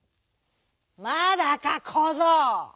「まだかこぞう！」。